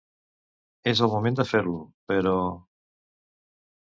És el moment de fer-lo, però?